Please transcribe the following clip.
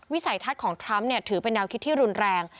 สัยทัศน์ของทรัมป์ถือเป็นแนวคิดที่รุนแรง